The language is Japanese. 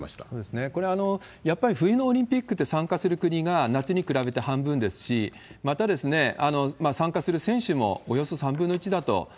そうですね、やっぱり冬のオリンピックって、参加する国が夏に比べて半分ですし、また、参加する選手もおよそ３分の１だと。